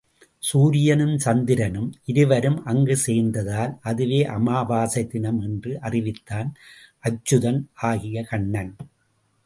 சூரியனும் சந்திரனும் இருவரும் அங்குச்சேர்ந்ததால் அதுவே அமாவாசை தினம் என்று அறிவித்தான் அச்சுதன் ஆகிய கண்ணன்.